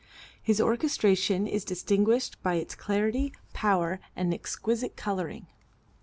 His orchestration is distinguished by its clarity, power and exquisite coloring.